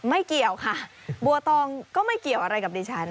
ไม่เกี่ยวค่ะบัวตองก็ไม่เกี่ยวอะไรกับดิฉัน